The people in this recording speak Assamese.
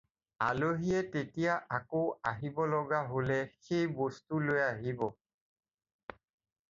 আলহীয়ে তেতিয়া আকৌ আহিব লগা হ'লে সেই বস্তু লৈ আহিব।